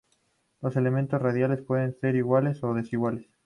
Los elementos radiales pueden ser iguales o desiguales.